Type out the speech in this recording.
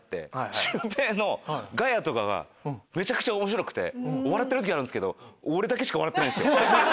シュウペイのガヤとかがめちゃくちゃ面白くて笑ってる時あるんですけど俺だけしか笑ってないんですよ。